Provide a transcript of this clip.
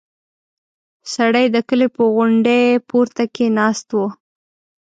سړی د کلي په غونډۍ پورته کې ناست و.